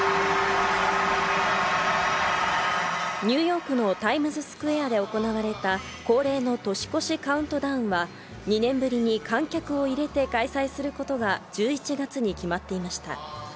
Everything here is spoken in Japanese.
ニューヨークのタイムズスクエアで行われた恒例の年越しカウントダウンは、２年ぶりに観客を入れて開催することが１１月に決まっていました。